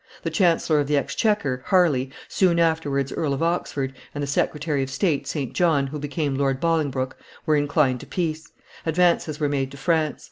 The chancellor of the exchequer, Harley, soon afterwards Earl of Oxford, and the secretary of state, St. John, who became Lord Bolingbroke, were inclined to peace. Advances were made to France.